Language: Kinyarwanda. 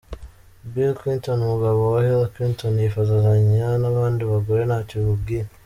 Bill Clinton umugabo wa Hillary Clinton yifotozanya n'abandi bagore ntacyo bimubwiye.